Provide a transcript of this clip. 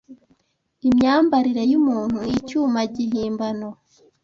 Imyambarire yumuntu ni icyuma gihimbano